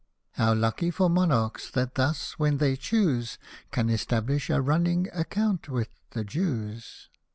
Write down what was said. (How lucky for monarchs, that thus, when they choose. Can establish a run7iing account with the Jews